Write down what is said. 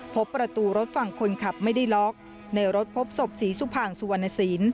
พบประตูรถฝั่งคนขับไม่ได้ล็อกในรถพบศพศรีสุภางสุวรรณสิน